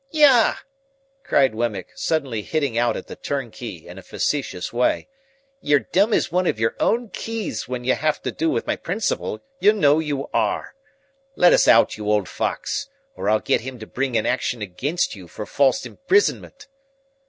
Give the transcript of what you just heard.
"Yah!" cried Wemmick, suddenly hitting out at the turnkey in a facetious way, "you're dumb as one of your own keys when you have to do with my principal, you know you are. Let us out, you old fox, or I'll get him to bring an action against you for false imprisonment."